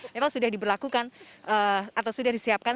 memang sudah diberlakukan atau sudah disiapkan